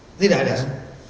keterlibatan general polisi